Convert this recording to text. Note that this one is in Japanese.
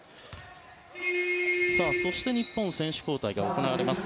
そして、日本は選手交代が行われます。